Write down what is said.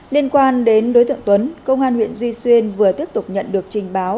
liên quan đến đối tượng tuấn công an huyện duy xuyên vừa tiếp tục nhận được trình báo